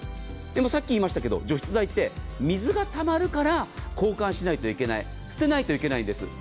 でも、さっき言いましたけど除湿剤って水がたまるから交換しないといけない捨てないといけないんです。